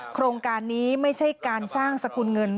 โครงการนี้ไม่ใช่การสร้างสกุลเงิน